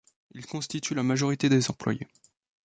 Ils constituent la majorité des employés.